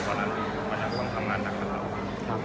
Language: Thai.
เพราะฉะนั้นมันต้องทำงานดังของเรา